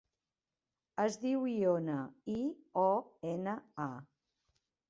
Es diu Iona: i, o, ena, a.